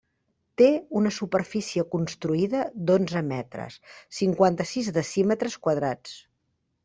Té una superfície construïda d'onze metres, cinquanta-sis decímetres quadrats.